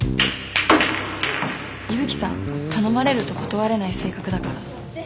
伊吹さん頼まれると断れない性格だから。